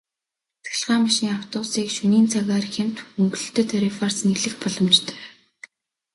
Цахилгаан машин, автобусыг шөнийн цагаар хямд хөнгөлөлттэй тарифаар цэнэглэх боломжтой.